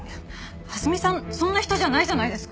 蓮見さんそんな人じゃないじゃないですか！